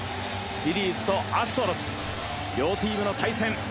フィリーズとアストロズ両チームの対戦。